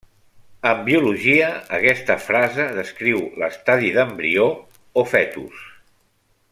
En biologia aquesta frase descriu l'estadi d'embrió o fetus.